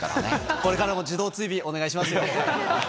これからも自動追尾、お願いします。